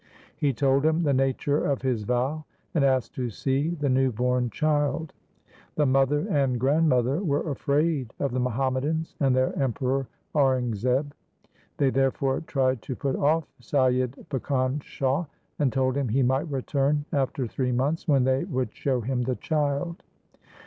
He told him the nature of his vow, and asked to see the new born child. The mother and grandmother were afraid of the Muhammadans and their Emperor Aurangzeb. They therefore tried to put off Saiyid Bhikan Shah, and told him he might return after three months when they would show him the child.